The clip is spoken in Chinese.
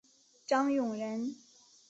张永人。